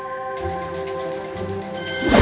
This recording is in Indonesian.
aku akan berada di sini